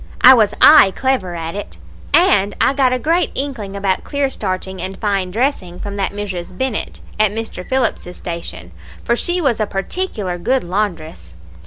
I was aye clever at it, and I got a great inkling about clear starching and fine dressing from that Mrs. Bennett, at Mr. Phillips's station, for she was a particular good laundress.